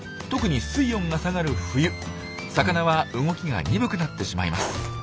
特に水温が下がる冬魚は動きが鈍くなってしまいます。